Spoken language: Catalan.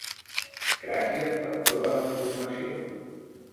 Gràcies per tota la informació.